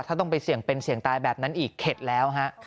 ถ้าต้องไปเสี่ยงเป็นเสี่ยงตายแบบนั้นอีกเข็ดแล้วฮะ